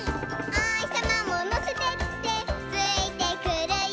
「おひさまものせてってついてくるよ」